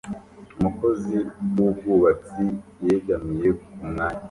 Umukozi wubwubatsi yegamiye ku mwanya